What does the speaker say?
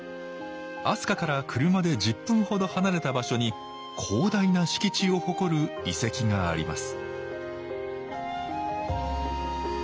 飛鳥から車で１０分ほど離れた場所に広大な敷地を誇る遺跡があります